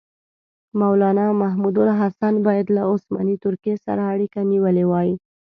مولنا محمودالحسن باید له عثماني ترکیې سره اړیکه نیولې وای.